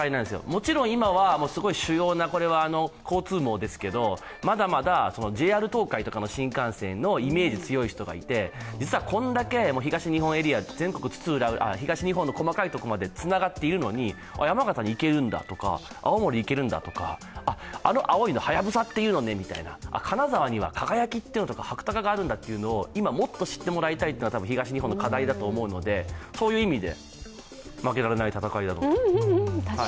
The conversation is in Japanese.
もちろん今は主要な交通網ですけど、まだまだＪＲ東海とかの新幹線のイメージが強い人がいて実はこんだけ東日本エリア、東日本の細かいところまでつながっているのに山形に行けるんだとか、青森に行けるんだとか、あの青いの、はやぶさっていうのねとか、金沢にはかがやきっていうのとかはくたかっていうのがあるんだって今もっと知ってもらいたいというのが東日本の課題だと思うので、そういう意味で負けられない戦いだと。